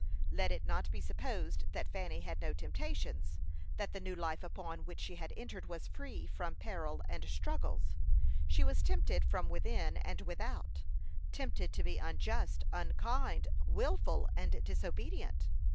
Let it not be supposed that Fanny had no temptations; that the new life upon which she had entered was free from peril and struggles. She was tempted from within and without; tempted to be unjust, unkind, wilful, and disobedient.